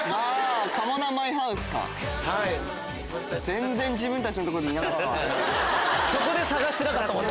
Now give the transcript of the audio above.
全然自分たちのとこにいなかったわ。